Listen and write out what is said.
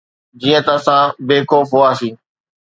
جيئن ته اسان بي خوف هئاسين.